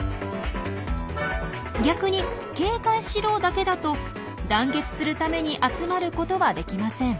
逆に「警戒しろ」だけだと団結するために集まることはできません。